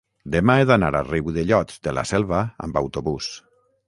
demà he d'anar a Riudellots de la Selva amb autobús.